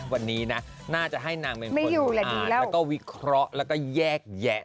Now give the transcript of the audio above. วันนี้นะน่าจะให้นางเป็นคนอ่านแล้วก็วิเคราะห์แล้วก็แยกแยะ